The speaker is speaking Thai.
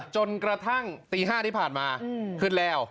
จนกระทั่งตี๕ที่ผ่านมาขึ้นแล้ว